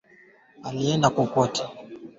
Mu ba pachiye fwashi ya kurimiya po